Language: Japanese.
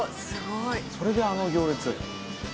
それであの行列。